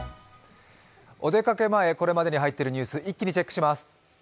お出かけ前これまでに入っているニュースを一気にチェックします。